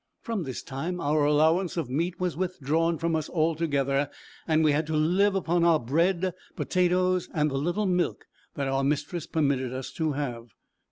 From this time our allowance of meat was withdrawn from us altogether, and we had to live upon our bread, potatoes, and the little milk that our mistress permitted us to have.